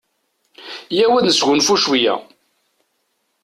Iyyaw ad nesgunfu cwiya.